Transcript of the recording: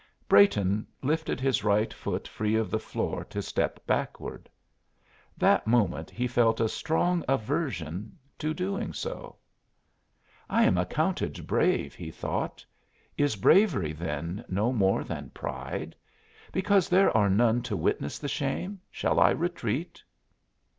Brayton lifted his right foot free of the floor to step backward. That moment he felt a strong aversion to doing so. "I am accounted brave," he thought; "is bravery, then, no more than pride? Because there are none to witness the shame shall I retreat?"